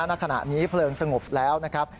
ณขณะนี้เพลิงสงบแล้วนะครับ